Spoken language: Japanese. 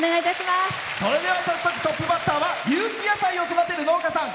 それでは早速トップバッターは有機野菜を育てる農家さん。